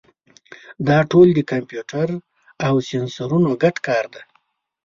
دا ټول د کمپیوټر او سینسرونو ګډ کار دی.